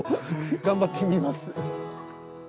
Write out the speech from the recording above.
頑張ってみます。